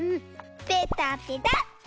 ペタペタ。